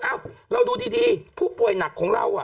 เอาเราดูที่ทีผู้ป่วยหนักของเรา